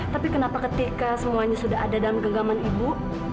tapi kenapa ketika semuanya sudah ada dalam genggaman ibu